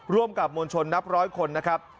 ร่วมกับมวลชนนับร้อยคนนะครับ